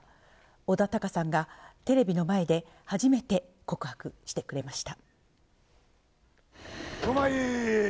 小田貴月さんが、テレビの前で、初めて告白してくれました。